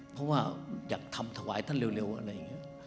เพราะว่าอยากทำถวายท่านเร็วอะไรอย่างนี้